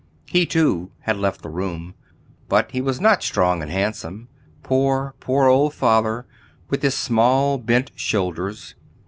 He too had left the room; but he was not strong and handsome, poor, poor old father with his small bent shoulders.